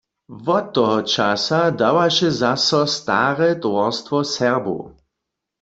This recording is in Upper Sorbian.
Wot toho časa dawaše zaso stare towarstwo Serbow.